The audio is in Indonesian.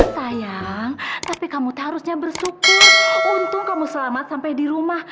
sayang tapi kamu seharusnya bersyukur untung kamu selamat sampai di rumah